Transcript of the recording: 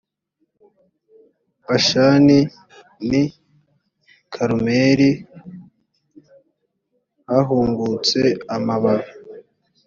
bashani n i karumeli hahungutse amababi